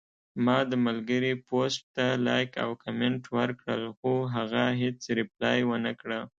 ما د ملګري پوسټ ته لایک او کمنټ ورکړل، خو هغه هیڅ ریپلی ونکړه